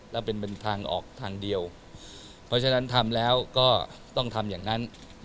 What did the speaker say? แล้วเป็นเป็นทางออกทางเดียวเพราะฉะนั้นทำแล้วก็ต้องทำอย่างนั้น